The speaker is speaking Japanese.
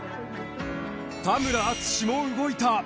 田村淳も動いた。